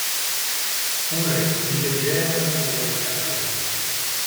Fu un re di Tegea e di Arcadia.